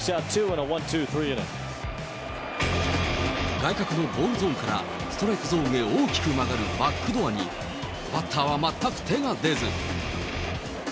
外角のボールゾーンからストライクゾーンへ大きく曲がるバックドアに、バッターは全く手が出ず。